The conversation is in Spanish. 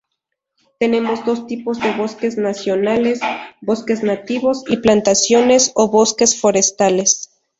Tenemos dos tipos de bosques nacionales: bosques nativos y plantaciones o bosques forestales.